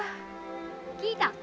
聞いた。